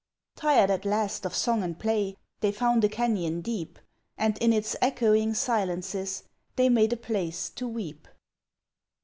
Tired at last of song and play, They found a canyon deep And in its echoing silences They made a place to weep.